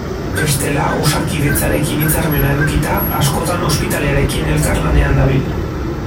Bestela, Osakidetzarekin hitzarmena edukita, askotan Ospitalearekin elkarlanean dabil.